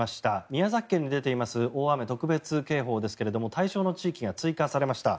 宮崎県に出ています大雨特別警報ですが対象の地域が追加されました。